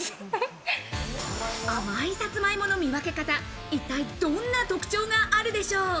甘いサツマイモの見分け方、一体どんな特徴があるでしょう？